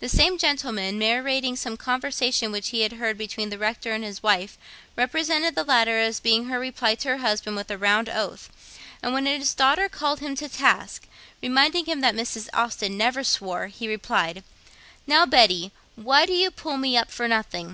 The same gentleman, narrating some conversation which he had heard between the rector and his wife, represented the latter as beginning her reply to her husband with a round oath; and when his daughter called him to task, reminding him that Mrs. Austen never swore, he replied, 'Now, Betty, why do you pull me up for nothing?